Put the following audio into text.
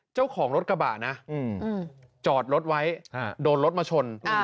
เจ้าของรถกระบะนะจอดรถไว้โดนรถมาชน